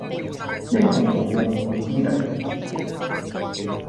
英雄無用武之地